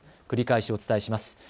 繰り返しお伝えします。